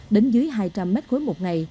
đến dưới hai trăm linh m khối một ngày